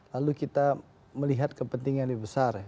lalu kita melihat kepentingan yang besar ya